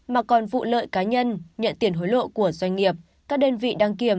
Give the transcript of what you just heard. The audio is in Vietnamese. mà còn vụ lợi cá nhân nhận tiền hối lộ của doanh nghiệp các đơn vị đăng kiểm